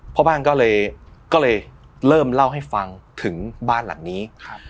พ่อบ้านก็เลยเริ่มเล่าให้ฟังถึงบ้านหลังนี้